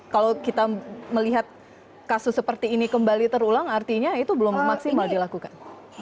kalau kita melihat kasus seperti ini kembali terulang artinya itu belum maksimal dilakukan